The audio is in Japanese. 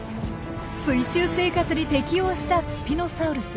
水中生活に適応したスピノサウルス。